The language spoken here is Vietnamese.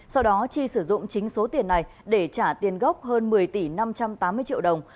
sau đó chi sử dụng chính số tiền này để trả tiền gốc hơn một mươi tỷ năm trăm tám mươi triệu đồng